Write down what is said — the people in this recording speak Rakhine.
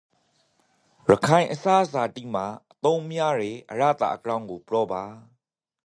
ရခိုင်အစားအစာတိမှာအသုံးများယေအရသာအကြောင်းကိုပြောပါ။